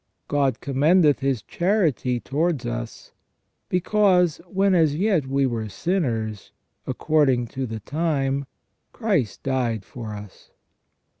" God commendeth His charity towards us : because, when as yet we were sinners, according to the time, Christ died for us."